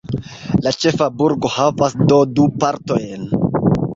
La ĉefa burgo havas do du partojn.